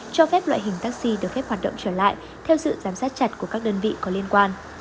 cho phép loại hình taxi được phép hoạt động trở lại theo sự giám sát chặt của các đơn vị có liên quan